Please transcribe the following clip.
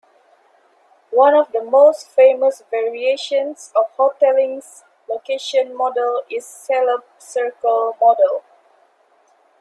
One of the most famous variations of Hotelling's location model is Salop's circle model.